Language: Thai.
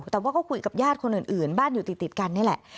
แต่ว่าก็คุยกับญาติคนอื่นบ้านอยู่ติดกันนี่แหละ